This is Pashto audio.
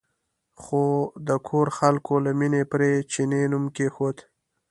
خو د کور خلکو له مینې پرې چیني نوم کېښود.